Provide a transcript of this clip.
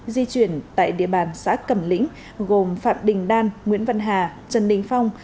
di chuyển tại địa bàn xã cẩm lĩnh gồm phạm đình đan nguyễn văn hà trần đình phong